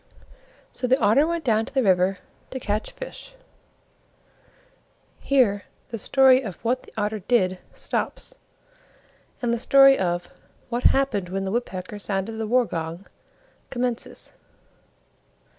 So the Otter went down to the river to catch fish. (Here the story of What the Otter Did stops and the story of What Happened when the Woodpecker Sounded the War gong commences.)